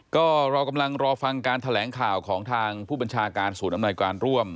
ก็เรากำลังรอฟังการแถลงข่าวของทางผู้บัญชาการศูนย์อำนวยการร่วม